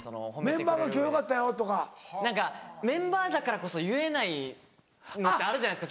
メンバーが「今日よかったよ」とか。何かメンバーだからこそ言えないのってあるじゃないですか。